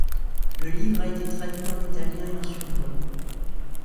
Le livre a été traduit en italien et en suédois.